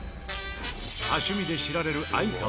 多趣味で知られる哀川。